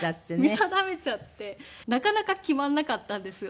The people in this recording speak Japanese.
見定めちゃってなかなか決まらなかったんですよ。